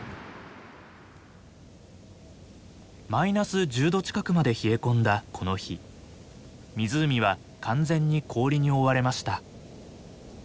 マイナス１０度近くまで冷え込んだこの日湖は完全に氷に覆われました。